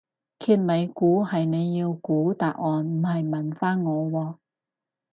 揭尾故係你要估答案唔係問返我喎